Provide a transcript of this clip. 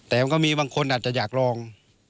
แต่มันก็มีบางคนอาจจะอยากลอง